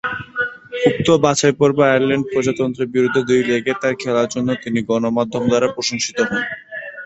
উক্ত বাছাইপর্বে আয়ারল্যান্ড প্রজাতন্ত্রের বিরুদ্ধে দুই লেগে তার খেলার জন্য তিনি গণমাধ্যমের দ্বারা প্রশংসিত হন।